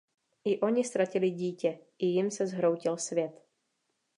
I oni ztratili dítě, i jim se zhroutil svět.